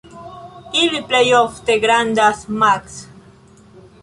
Ili plej ofte grandas maks.